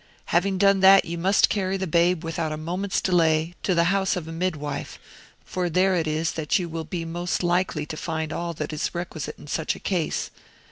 Having done that, you must carry the babe, without a moment's delay, to the house of a midwife, for there it is that you will be most likely to find all that is requisite in such a case.